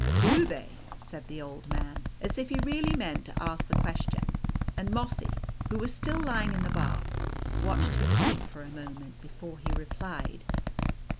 "Do they ?" said the Old Man, as if he really meant to ask the question ; and Mossy, who was still lying in the bath, watched his feet for a moment before he re plied.